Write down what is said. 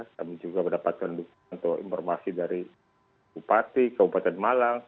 kami juga mendapatkan informasi dari bupati kabupaten malang